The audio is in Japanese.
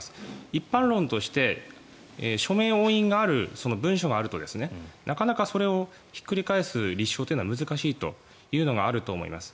一般論として署名・押印がある文書があるとなかなかそれをひっくり返す立証というのが難しいという理由があると思います。